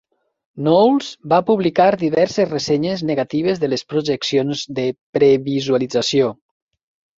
Knowles va publicar diverses ressenyes negatives de les projeccions de previsualització.